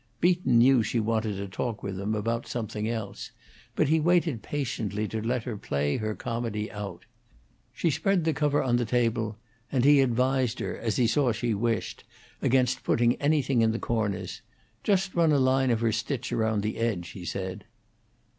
Beaton knew she wanted to talk with him about something else; but he waited patiently to let her play her comedy out. She spread the cover on the table, and he advised her, as he saw she wished, against putting anything in the corners; just run a line of her stitch around the edge, he said.